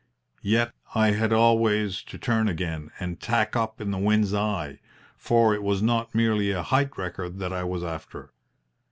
Yet I had always to turn again and tack up in the wind's eye, for it was not merely a height record that I was after.